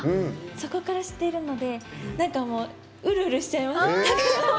そこから知っているのでうるうるしちゃいます。